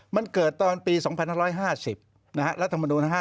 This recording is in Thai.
มันเกิดตอนปี๒๕๕๐รัฐมนูล๕๐